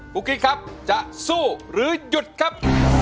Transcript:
กิ๊กครับจะสู้หรือหยุดครับ